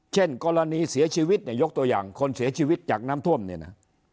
เช่นกรณีเสียชีวิตเนี่ยยกตัวอย่างคนเสียชีวิตจากน้ำท่วมเนี่ยนะ